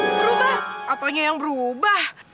berubah apanya yang berubah